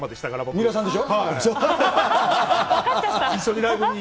みわさんでしょ？